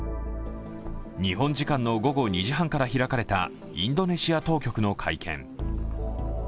日本時間の午後２時半から開かれたインドネシア当局の会見。